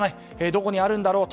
どこにあるんだろう。